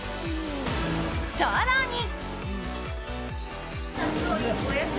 更に。